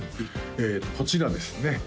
こちらですね